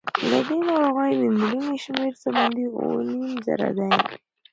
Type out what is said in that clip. له دې ناروغۍ د مړینې شمېر څه باندې اووه نیم زره دی.